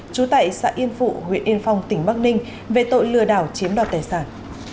trú tại xã yên phụ huyện yên phong tỉnh bắc ninh về tội lừa đảo chiếm đoạt tài sản